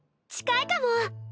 近いかも。